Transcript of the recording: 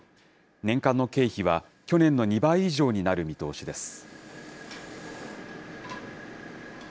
年間の経費は去年の２倍以上になる見通しです。